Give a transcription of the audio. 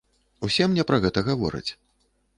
Усе мне пра гэта гавораць.